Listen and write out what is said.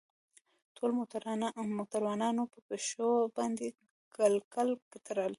ټولو موټروانانو په پښو باندې ګلګل تړل.